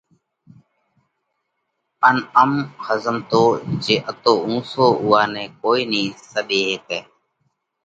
ان ام ۿزمتو جي اتو اُونسو اُوئا نئہ ڪوئي نئين سٻي هيڪئہ،